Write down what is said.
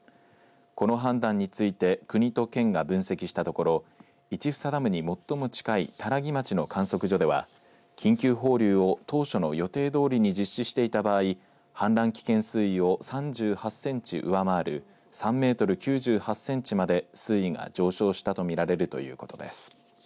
この判断について国と県が分析したところ市房ダムに最も近い多良木町の観測所では緊急放流を当初の予定どおりに実施していた場合氾濫危険水位を３８センチ上回る３メートル９８センチまで水位が上昇したと見られるということです。